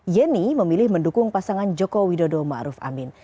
yeni memilih mendukung pasangan joko widodo ma'ruf amin